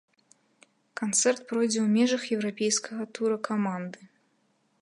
Канцэрт пройдзе ў межах еўрапейскага тура каманды.